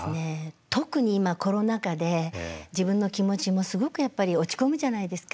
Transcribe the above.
特に今コロナ禍で自分の気持ちもすごくやっぱり落ち込むじゃないですか。